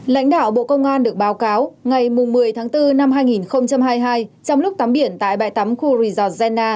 lãnh đạo bộ công an được báo cáo ngày một mươi tháng bốn năm hai nghìn hai mươi hai trong lúc tắm biển tại bãi tắm khu resort genna